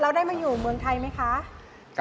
ได้มาอยู่เมืองไทยไหมคะ